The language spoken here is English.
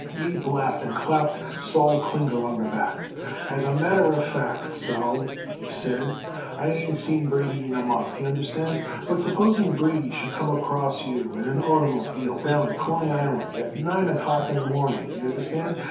Abe laughed and clapped Sol Klinger on the back. "As a matter of fact, Sol," he said, "I ain't seen Brady in a month, y'understand, but supposing Brady should come across you in an oitermobile down at Coney Island at nine o'clock in the morning, y'understand.